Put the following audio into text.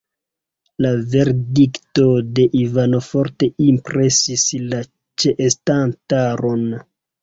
La verdikto de Ivano forte impresis la ĉeestantaron.